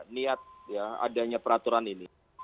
niat ya adanya peraturan ini